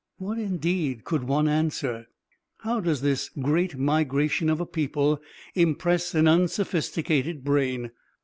What, indeed, could one answer? How does this great migration of a people impress an unsophisticated brain?